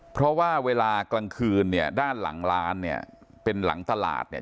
เพราะว่าเวลากลางคืนเนี่ยด้านหลังร้านเนี่ยเป็นหลังตลาดเนี่ย